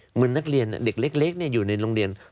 เหมือนนักเรียนเด็กเล็กอยู่ในโรงเรียน